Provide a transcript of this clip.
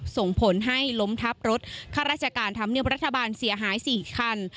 ส่งผลให้ล้มทับรถข้าราชการธรรมเนียบรัฐบาลเสียหาย๔คัน